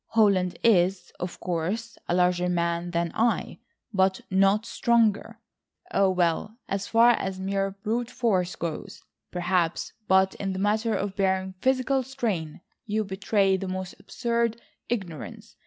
Holland is, of course, a larger man than I, but not stronger.... Oh, well, as far as mere brute force goes, perhaps, but in the matter of bearing physical strain, you betray the most absurd ignorance.